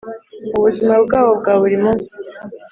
mu buzima bwabo bwaburi munsi